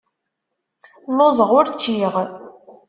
Lluẓeɣ ur ččiɣ.